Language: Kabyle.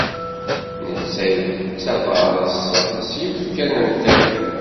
Netta yettaḍḍas s yiwet kan n tiṭ.